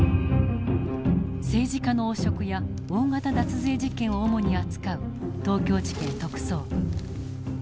政治家の汚職や大型脱税事件を主に扱う東京地検特捜部。